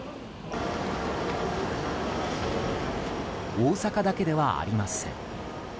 大阪だけではありません。